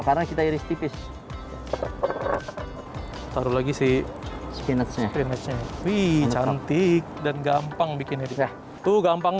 karena kita iris tipis taruh lagi sih spinachnya wih cantik dan gampang bikin itu tuh gampang